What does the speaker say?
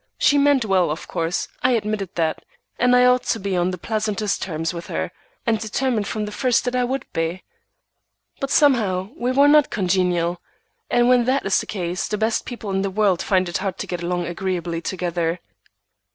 She meant well, of course; I admitted that, and I ought to be on the pleasantest terms with her, and determined from the first that I would be. But somehow we were not congenial, and when that is the case the best people in the world find it hard to get along agreeably together.